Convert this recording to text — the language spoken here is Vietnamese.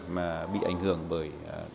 mà bị ảnh hưởng bởi